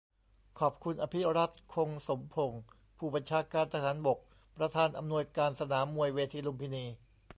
ขอบคุณ อภิรัชต์ คงสมพงษ์ ผู้บัญชาการทหารบก ประธานอำนวยการสนามมวยเวทีลุมพินี